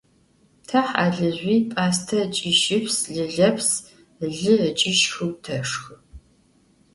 Te halığu, p'aste ıç'i şıps, lıleps, lı ıç'i şxıu teşşxı.